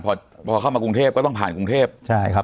พอพอเข้ามากรุงเทพก็ต้องผ่านกรุงเทพใช่ครับ